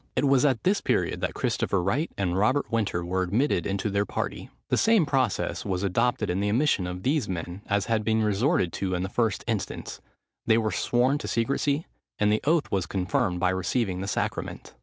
It was at this period that Christopher Wright and Robert Winter were admitted into their party. The same process was adopted in the admission of these men as had been resorted to in the first instance: they were sworn to secresy, and the oath was confirmed by receiving the sacrament.